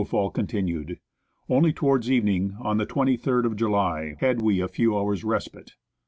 fall continued. Only towards evening, on the 23rd of July, had we a few hours' respite.